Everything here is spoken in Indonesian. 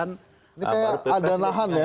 ini kayak ada lahan ya